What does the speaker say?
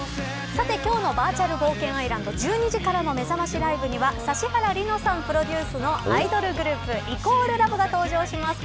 さて、今日のバーチャル冒険アイランド１２時からのめざましライブには指原莉乃さんプロデュースのアイドルグループ＝ＬＯＶＥが登場します。